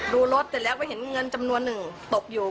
รถเสร็จแล้วก็เห็นเงินจำนวนหนึ่งตกอยู่